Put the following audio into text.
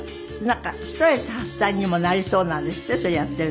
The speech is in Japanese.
なんかストレス発散にもなりそうなんですって？